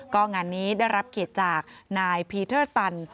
ก็งานนี้ได้รับเกียรติจากนายพีเทอร์ตัน